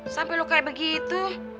sampai lo kayak begitu